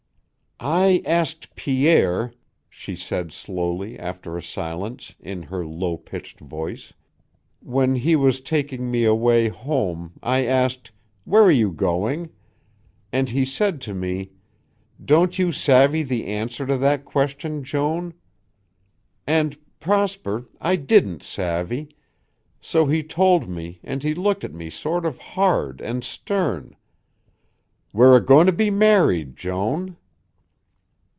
"I asked Pierre," she said slowly, after a silence, in her low pitched voice, "when he was taking me away home, I asked, 'Where are you going?' and he said to me, 'Don't you savvy the answer to that question, Joan?' And, Prosper, I didn't savvy, so he told me and he looked at me sort of hard and stern, 'We're a goin' to be married, Joan.'"